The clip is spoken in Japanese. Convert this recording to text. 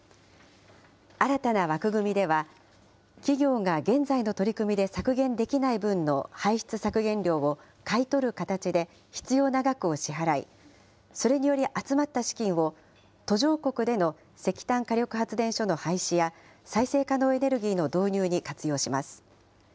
新たな枠組みでは、企業が現在の取り組みで削減できない分の排出削減量を買い取る形で必要な額を支払い、それにより集まった資金を、途上国での石炭火力発電所の廃止や、再生可能エネルギーの導入に活用します。